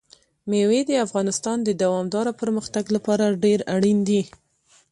مېوې د افغانستان د دوامداره پرمختګ لپاره ډېر اړین دي.